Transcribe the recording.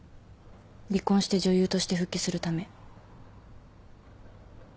離婚して女優として復帰するため。